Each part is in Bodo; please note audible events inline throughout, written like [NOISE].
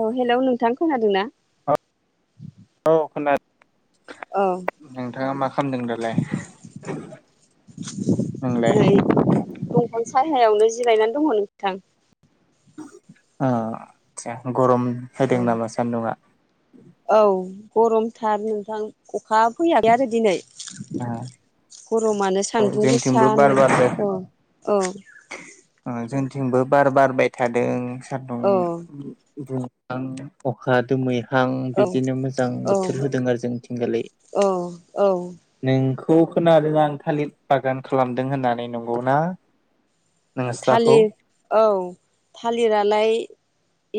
औ हेलौ नोंथां खोनादों ना? औ औ खोनादों नोंथाङा मा खामदों दालाय? नोंलाय नै दंफां सायहायावनो जिरायनानै दङ नोंथां। आ आदसा गरम औ होदों नामा सान्दुंआ? औ गरमथार नोंथां अखा फैयाखै आरो दिनै गरमानो औ सान्दुं जोंथिंबो बार गोसानो बारदों अ औ। ओ जोंथिंबो बार बारबाय थादों सान्दुं औ दुंहां अखा दोमै आं औ बिदिनो मोजां बोथोर होदों आरो जोंनिथिं दालाय औ औ नों खौ खोनादों आं थालिर बागान खालामदों होननानै नंगौ ना? थालिर औ थालिरालाय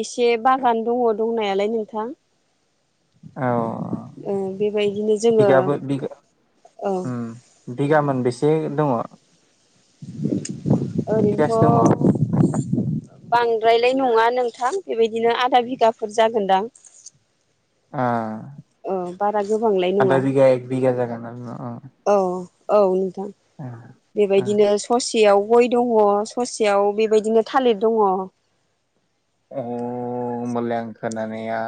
एसे बागान दङ दंनायालाय नोंथां। औ ओ बेबायदिनो जोङो बिगाबो बिगा ओ उम बिगा मोनबेसे दङ? बेसेगासो दङ ओैरैन्थ' बांद्रायलाय नङा नोंथां बेबायदिनो आधा बिगाफोर जागोनदां। आ। औ बारा गोबांलाय आदा नङा बिघा एग बिघा जायगोन? औ औ नोंथां अ अ बेबायदिनो ससेयाव बै दङ ससेयाव बेबायदिनो थालिर दङ। अ होमलाय खोनानाया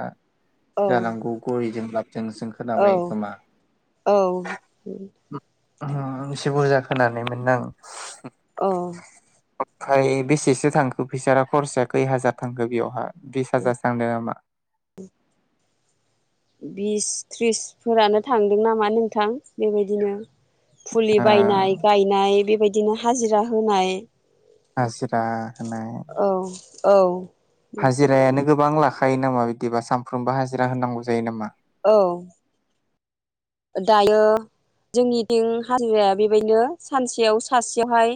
जानांगौ गयजोंब्ला जों जों औ खोनाबाय खोमा औ एसे बुरजा खोनानाय मोन आं औ ओमफ्राय बेसेसो थांखो फैसा खरसाया खै हाजार थांखो बेयावहा बिस हाजारसो थांदों नामा बिस थ्रिसफोरानो थांदों नामा नोंथां बेबायदिनो ओ फुलि बायनाय गायनाय बेबायदिनो हाजिरा होनाय हाजिरा होनाय औ औ हाजिरायानो गोबां लाखायो नामा बिदिबा सानफ्रोमबो हाजिरा होनांगौ जायो नामा औ दायो जोंनिथिं हाजिराया बेबायदिनो सानसेयाव सासेयावहाय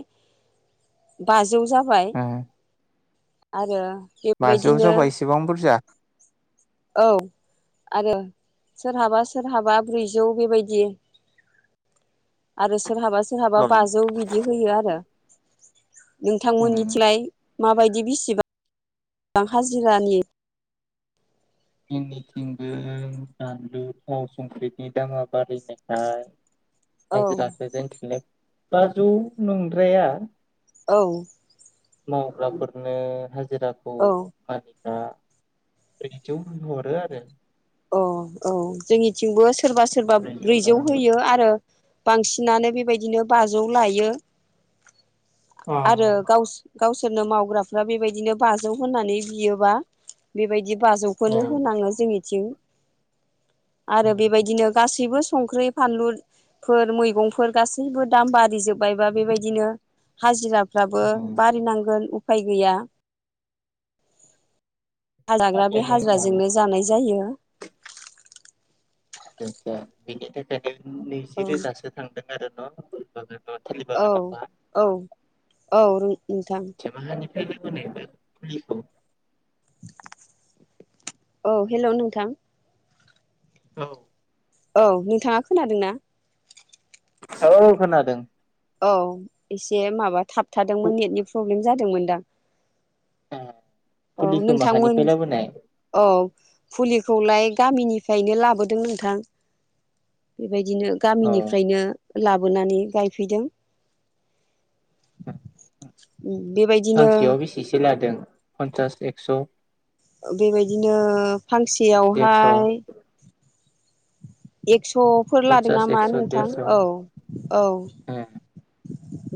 बाजौ जाबाय ओ आरो बाजौ बेबायदिनो जाबा इसेबां बुरजा [INAUDIBLE] औ आरो सोरहाबा सोरहाबा ब्रैजौ बेबायदि आरो सोरहाबा सोरहाबा बाजौ बिदि होयो आरो ओम नोंथांमोननिथिलाय माबायदि बिसिबां बां हाजिरानि जोंनिथिंबो बानलु थाव संख्रिनि दामा बारायनायखाय औ हाजिराखो जोंथिंलाय बाजौ नंद्राया औ मावग्राफोरनो हाजिराखौ औ मानिग्रा यावहरो आरो अ औ जोंनिथिंबो सोरबा सोरबा ब्रैजौ होयो आरो बांसिनानो बेबायदिनो बाजौ लायो अ आरो गावस गावसोरनो मावग्राफ्रा बेबायदिनो बाजौ होननानै बियोबा बेबायदि औ बाजौखौनो होनांङो जोंनिथिं । औ आरो बेबायदिनो गासैबो संख्रि फानलुफोर मैगंफोर गासैबो दाम बारि जोब्बायबा बेबायदिनो । हाजिराफ्राबो औ बारिनांगोन उफाय गैया । आ जाग्रा बे बेखायनो औ हाजिराजोंनो जानाय जायो । आसा आसा बिनि थाखायनो नैजि रोजासो थांदों आरो न' कल ब । औ औ औ नो नोंथां [UNINTELLIGIBLE] औ हेलौ नोंथां । औ औ नोंथाङा खोनादों ना । औ खोनादों औ एसे माबा थाब थादोंमोन फु- नेटनि प्रब्लेम जादोंमोन दां । आह औ नोंथांमोन औ फुलिखौलाय । गामिनिफ्रायनो लाबोदों नोंथां बेबायदिनो औ गामिनिफ्रायनो। लाबोनानै गायफैदों औ बेबायदिनो फांसेयाव बेसेसो लादों पन्सास एक्स'? बेबायदिनो देरस' फांसेयावहाय एक्स'फोर लादों पन्सास नामा एक्स' नोंथां देरस' औ औ । ए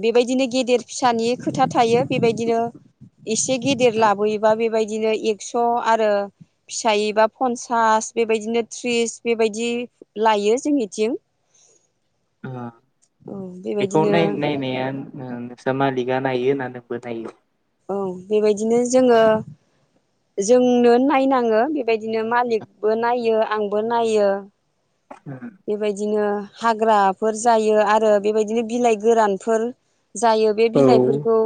बेबायदिनो गेदेर फिसानि खोथा थायो । बेबायदिनो एसे गेदेर ए लाबोयोबा बेबाय दिनो एक्स' आरो फिसायैबा पनसास बेबायदिनो थ्रिस बेबायदि । लायो जोंनिथिं आ बेखौ बेबायदिनो नाय नायनाया ओ नोंसा मालिगा नायो ना नोंबो नायो? औ बेबायदिनो जोङो जोंनो नायनाङो बेबायदिनो मालिकबो नायो आंबो नायो । बेबायदिनो हाग्राफोर जायो आरो बेबायदिनो बिलाइ गोरानफोर। जायो बे औ बिलाइफोरखौ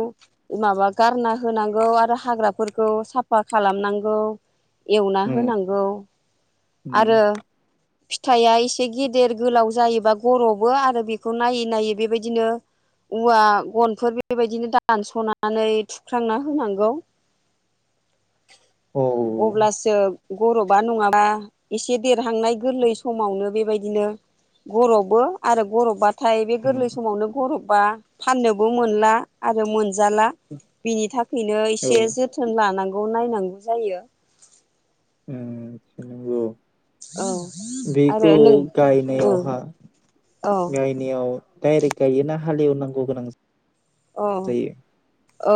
माबा गारना होनांगौ आरो हाग्राफोरखौ साफा खालामनांगौ। एवना उम होनांगौ उम आरो फिथाइआ एसे गेदेर गोलाव जायोबा गरबो आरो बेखौ नायै नायै बेबायदिनो औवा गनफोर बेबायदिनो दानस'नानै थुख्रांना होनांगौ। औ अब्लासो गरबा नङाबा एसे देरहांनाय गोरलै समावनो बेबायदिनो। गरफबो आरो गरबबाथाय बे गोरलै समावनो गरब बा फाननोबो मोनला आरो मोनजाला बेनि थाख खैनो औ एसे जोथोन लानांगौ नायनांगौ जायो। ओओ नंगौ औ बेखौ आरो नों औ गायनायावहा औ गायनायाव डाइरेक्ट गायोना हालेवनांगौ गोनां औ जायो औ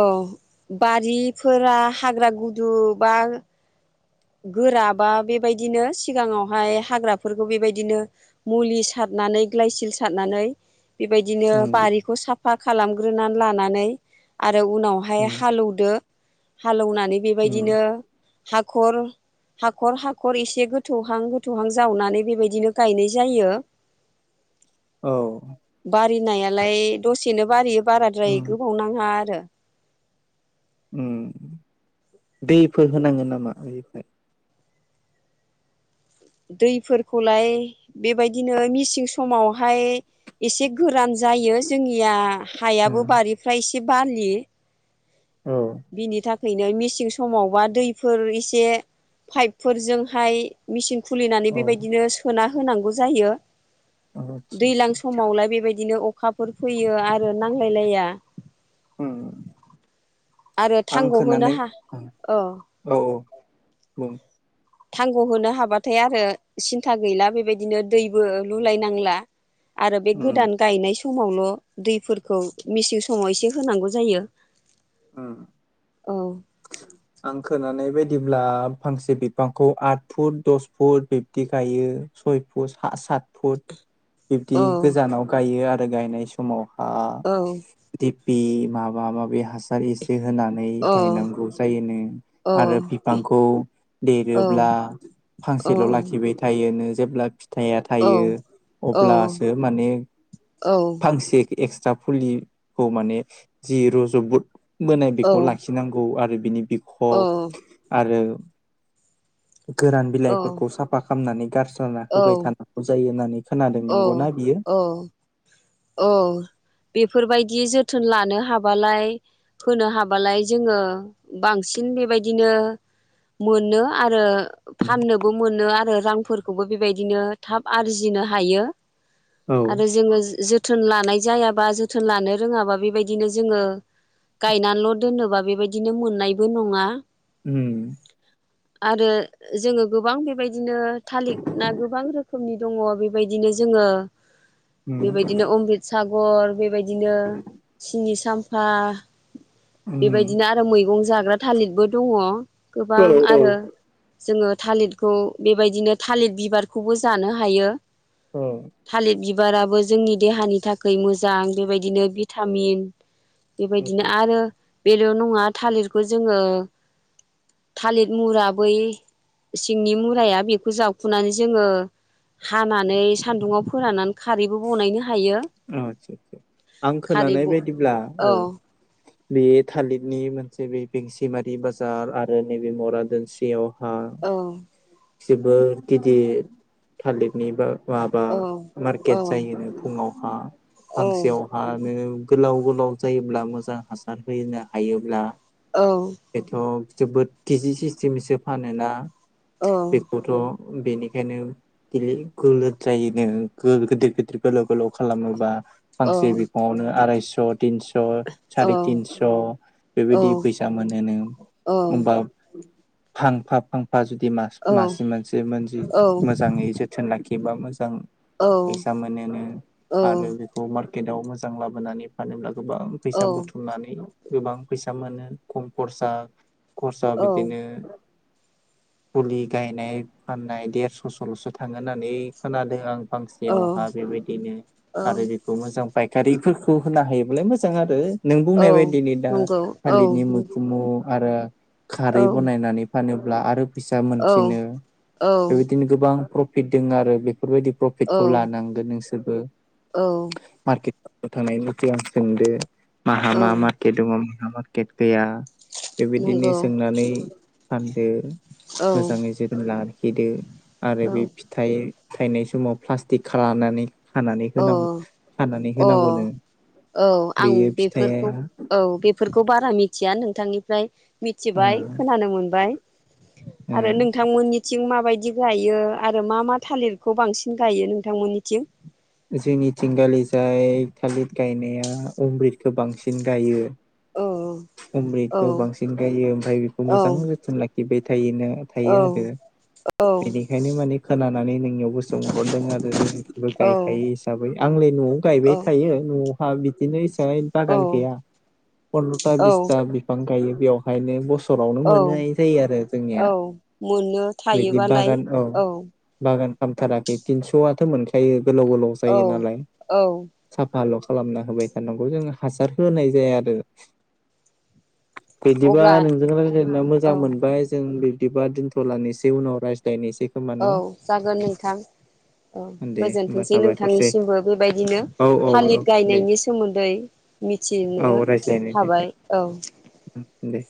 बारिफोरा हाग्रा गुदु बा गोराबा बेबायदिनो सिगाङावहाय हाग्राफोरखौ बेबायदिनो मुलि सार नानै ग्लाइ सिल सारनानै बेबायदिनो उम बारिखौ साफा खालामग्रोनानै लानानै आरो आरो उनावहाय उम हालौदो हालौनानै उम बेबायदिनो हाखर हाखर हाखर एसे गोथौहां गोथौहां जावनानै बेबायदिनो गायनाय जायो। [INAUDIBLE] औ बारिनायालाय दसेनो बारियो बाराद्राय उम गोबाव नाङा आरो ओन दैफोर होनाङो नामा बेनिफ्राय दैफोरखौलाय बेबायदिनो मिसिं समावहाय एसे गोरान ज जायो जोंनिया हायाबो बारिफ्रा एसे बालि औ बिनि थाख नो मिसिं समावबा दैफोर एसे पाइपफोरजोंहाय मेचिन खुलिनानै औ बेबायदिनो सोना होनांगौ जायो औ थिग दैज्लां थिग थिग समावलाय बेबायदिनो अखाफोर फैयो आरो नांलायलाया ओं ओं आरो आं थांग' होनो खोनानाय हा औ औ औ बुं थांग' होनो हाबाथाय आरो सिन्था गैला बेबायदिनो दैबो लुलायनांला आरो बे उम गोदान गायनाय सम समावल' दैफोरखौ मेसें समाव एसे होनांगौ जायो ओं औ आं खोनानाय बायदि बदिब्ला फांसे बिफांखौ आठ फुट दस फुट बिब्दि गायो सय फुट स सात फुट [INAUDIBLE] बिब्दि गोजानाव गायो आरो गायनाय समाव औ । बे माबा माबि हासार एसे होनानै औ गायनांगौ जायोनो औ आरो बिफांखौ औ देरोब्ला फांसेल' लाखिबाय थायो जेब्ला फिथाइया औ थायो औ अब्लासो माने फांसे एक्स फसा फुलिखौ माने जि रज'बद बाय बेखौ लाखिनांगौ आरो बिनि बिखब आरो गोरान बिलाइफोरखौ साफा खालामनानै गारस्ल'ना औ होबाय थानांगौ जायो होननानै खोनादों औ नंगौना बियो औ बेफोरबायदि जोथोन लानो हाबालाय होनो हाबालाय जोङो बांसिन बेबायदि मोनो आरो फाननोबो मोनो आरो रांफोरखौबो बेबायदिनो थाब आरजिनो हायो औ आरो जोङो ज जोथोन लानाय जायाबा जोथोन लानो रोङाबा बेबायदिनो जोङो गायनानैल' दोनोबा बेबायदिनो मोननायबो नङा उम आरो जोङो गोबां बेबायदिनो थालिर ना गोबां रोखोम रोखोमनि दङ बेबायदिनो जोङो ओम सिबसागर बेबायदिनो सिनि साम्फा उम बेबायदिनो आरो मैगं जाग्रा थालिरबो दङ औ गोबां औ आरो जोङो थालिरखौ बेबायदिनो थालिर बिबारखौबो जानो हायो। औ थालिरि बिबाराबो जोंनि देहानि थाखाय मोजां बेबायदिनो भिटामिन बेबायदिनो आतसा आरो बेल' नङा थालिरखौ जोङो थालिर मुराबै सिंनि मुराया बेखौ जावखुनानै जोङो हानानै सान्दुङाव फोराननानै खार अ आदसा आदसा आं खारै खोनानाय ब बायदिब्ला औ बे थालिरनि मोनसे बे बेंसिमारि बाजार आरो नैबे मरा दोनस्रियाव औ जोबोद गिदिर थालिरनि बा माबा औ मार्केट औ जायोनो फुङाव हा औ फांसेयाव हानो गोलाव गोलाव जायोब्ला मोजां हासार होनो हायोब्ला औ एथ' जोबोद कि जि सिस्टेमसो फानोना औ बेखौथ' बेनिखायनो गिलि गोलोद जायोनो गो-गोदोर गिदिर गोलाव गोलाव खालामोबा फांसे बिफांङानो आरायस' थिनस' स' सारि तिनस' बेबायदि फैसा मोनोनो होमबा फांफा फांफा जुदि मास मासे मोनसे मोनजि मोजांङै जोथोन लाखि योबा मोजां औ फैसा मोनोनो आरो बिखौ मार्केदआव मोजां लाबोनानै फानोब्ला गोबां फैसा बुथुमनानै गोबां फैसा मोनो खम खरसा खरसा बिदिनो फुलि गायनाय फाननाय देरस'सल'सो थाङो होननानै खोनादों आं फांसेयाव हा बेबायदिनो आरो बेखौ मोजां पाय खारिफोरखौ होनो हायोब्लालाय मोजां आरो नों बुंनाय बायदिनि दा थालिरनि मैखुनाव आरो खारै बनायनानै फानोब्ला आरो फैसा मोनफिनो बेबायदिनो गोबां प्रफिट दं आरो बेफोरबायदि प्रफिटखौ लानां नोंसोरबो मारकेट थांनायनि सिगां सोंदो माहा मा मार्केट दङ माहा मार्केट गैया बेबायदिनो सोंनानै फानदो मोजाङै जोथोन लाखिदो आरो बे फिथाइ थायनाय समाव प्लास्टिक खालामानानै खानानै होनां खानानै होनांगौनो औ आं बेयो फिथाइया बेफोरखौ औ बेफोरखौ बारा मिथिया नोंथांनिफ्राय ओ मिथिबाय खोनानो मोनबाय ओ आरो नोंथांमोननिथिं माबायदि गायो आरो मा मा थालिरखौ बांसिन गायो नोंथांमोननिथिं जोंनिथिं गालिजाय थालिर गायनाया अमृदखौ बांसिन गायो औ अमृतखौ बांसिन गायो ओमफ्राय बेखौ मोजां जोथोन लाखिबाय थायोनो थायो आरो औ-औ-औ-औ-औ-औ-औ बेनिखायनो माने खोनानानै नोंनियावबो सोंहरदों आरो जोंनिबो गायखायो हिसाबै आं न'आव गायबाय थायो न'आव बिदिनो हिसाबै बागान गैया पन्द्रथा बिसथा बिफां गायो बेयावहायनो गस गोबावनो मोननाय जायो आरो औ जोंनिया मोननो बिदि थायोबालाय बागान औ बागोन हामथाराखै थिनस'आथ' मोनखायो गोलाव गोलाव जायो नालाय औ-औ-औ साफाल' खालामना होबाय थानांगौ जोङ हासार होनाय जाया आरो बिदिबा अब्ला नोंजों रायज्लायना मोजां औ-औ मोनबाय जों बिदिबा दिनथ'लायनिसे उनाव रायज्लायनिसै औ जागोन नोंथां औ दे होमबा गोजोनथोंसै साबायखरसै नोंथांनिसिमबो बेबायदिनो औ औ औ थालिर दे गायनायनि सोमोन्दै मिथिनो औ रायज्लायनो थाखाय हाबाय औ दे